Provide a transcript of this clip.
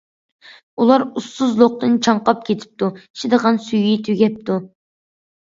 ئۇلار ئۇسسۇزلۇقتىن چاڭقاپ كېتىپتۇ، ئىچىدىغان سۈيى تۈگەپتۇ.